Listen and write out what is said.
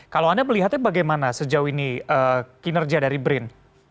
kalau anda melihatnya bagaimana sejauh ini kinerja dari brin